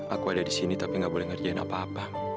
aku ada di sini tapi gak boleh ngerjain apa apa